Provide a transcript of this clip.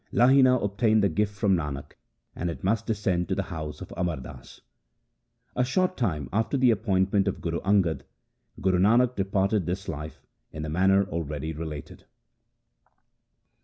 Lahina obtained the gift from Nanak, and it must descend to the house of Amar Das. 1 A short time after the appointment of Guru Angad, Guru Nanak departed this life in the manner already related.